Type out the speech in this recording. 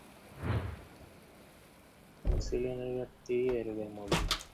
ইনসুলিনের ঘাটতিই এ রোগের মূল দিক।